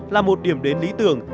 là một điểm đến lý tưởng